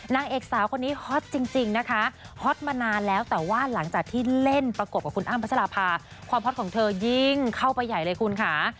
นางเอกสาวคนนี้ฮอตจริงนะคะฮอตมานานแล้วแต่ว่าหลังจากที่เล่นประกบกับคุณอ้ำพัชราภาความฮอตของเธอยิ่งเข้าไปใหญ่เลยคุณค่ะ